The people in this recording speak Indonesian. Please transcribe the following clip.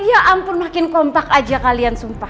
ya ampun makin kompak aja kalian sumpah